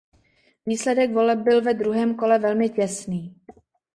Výsledek voleb byl ve druhém kole velmi těsný.